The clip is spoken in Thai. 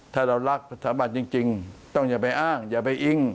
ถ้าเรารักสถาบันจริงต้องอย่าไปอ้างอย่าไปอิ้ง